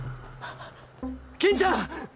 金ちゃん！